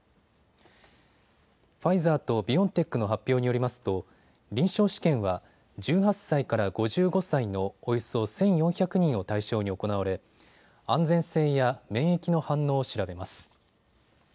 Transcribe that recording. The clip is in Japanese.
ファイザーとビオンテックの発表によりますと臨床試験は１８歳から５５歳のおよそ１４００人を対象に行われ安全性や免疫の反応を調べます。